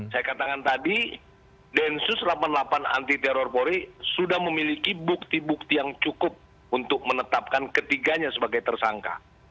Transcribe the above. saya katakan tadi densus delapan puluh delapan anti teror polri sudah memiliki bukti bukti yang cukup untuk menetapkan ketiganya sebagai tersangka